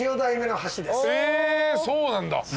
へぇそうなんだ。